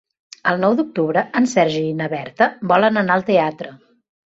El nou d'octubre en Sergi i na Berta volen anar al teatre.